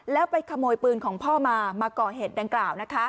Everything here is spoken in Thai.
แล้วไปขโมยปืนของพ่อมามาก่อเหตุดังกล่าว